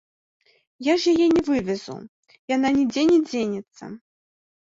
Я ж яе не вывезу, яна нідзе не дзенецца.